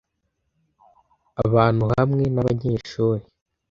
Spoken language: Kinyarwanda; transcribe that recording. abantu hamwe nabanyeshuri